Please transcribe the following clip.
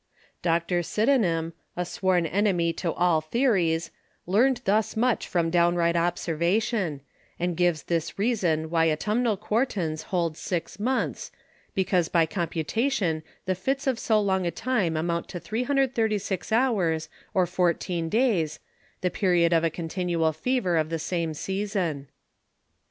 Dr. Sydenham, a sworn Enemy to all Theories, learn'd thus much from downright Observation; and gives this reason why Autumnal Quartans hold six Months, because by computation the Fits of so long a time amount to 336 hours, or 14 days, the period of a continual Fever of the same Season.